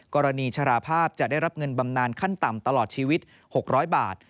กรณีชราภาพจะได้รับเงินบำนานขั้นต่ำตลอดชีวิต๖๐๐บาท